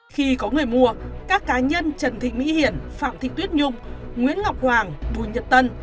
khi có người mua các cá nhân trần thị mỹ hiển phạm thị tuyết nhung nguyễn ngọc hoàng bùi nhật tân